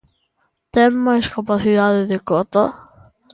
¿Ten máis capacidade de cota?